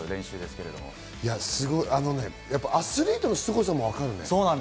アスリートのすごさも分かるね。